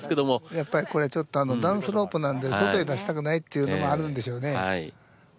やっぱりこれちょっと段スロープなんで外へ出したくないっていうのがあるんでしょうね。